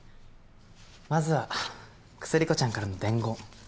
まずは薬子ちゃんからの伝言。